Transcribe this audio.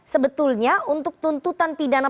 sebetulnya untuk tuntutan pidana